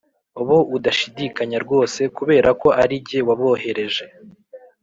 bo udashidikanya rwose kubera ko ari jye wabohereje